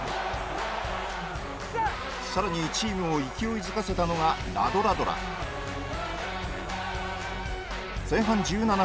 さらにチームを勢いづかせたのがラドラドラ前半１７分。